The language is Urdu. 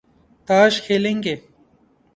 تاش کھیلیں گے